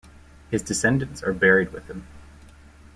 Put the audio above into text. His descendants are buried with him.